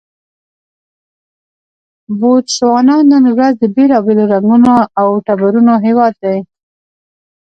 بوتسوانا نن ورځ د بېلابېلو رنګونو او ټبرونو هېواد دی.